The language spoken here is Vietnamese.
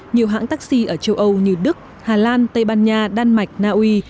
nhiều hãng taxi ở châu âu như đức hà lan tây ban nha đan mạch naui